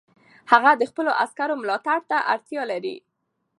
هغه د خپلو عسکرو ملاتړ ته اړتیا لري.